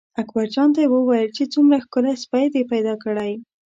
اکبرجان ته یې وویل چې څومره ښکلی سپی دې پیدا کړی.